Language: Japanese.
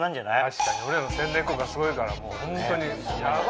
確かに俺らの宣伝効果すごいからもうホントにヤバいよ。